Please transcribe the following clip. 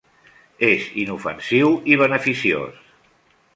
És inofensiu i beneficiós.